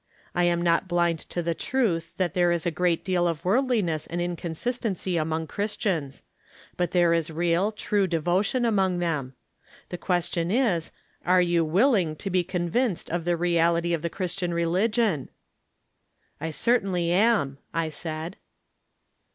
I am not blind to the truth that there is a great deal of worldiness and inconsis tency among Christians ; but there is real, true devotion among them. The question is, Are you willing to be convinced of the reality of the Christian religion ?"" I certainly am," I said.